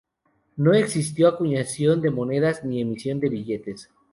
No existió acuñación de monedas ni emisión de billetes.